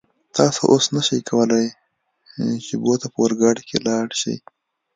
تاسو اوس نشئ کولای چې بو ته په اورګاډي کې لاړ شئ.